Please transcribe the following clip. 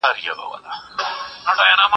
زه پرون کښېناستل وکړې.